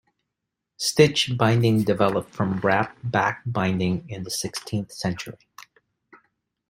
Stitched binding developed from wrapped back binding in the sixteenth century.